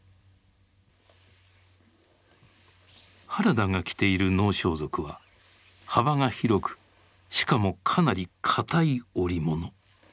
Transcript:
原田が着ている能装束は幅が広くしかもかなり硬い織物。